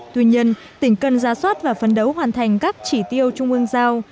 tuy nhiên tỉnh cần ra soát và phấn đấu hoàn thành các chỉ tiêu trung ương giao